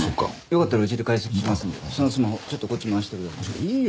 よかったらうちで解析しますのでそのスマホちょっとこっちに回してください。